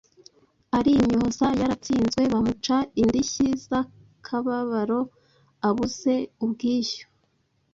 arimyoza. Yaratsinzwe bamuca indishyi z’akababaro. Abuze ubwishyu,